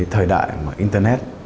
thời đại mà internet